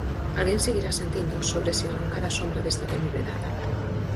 Alguén seguirá sentindo sobre si a alongada sombra desta temible data.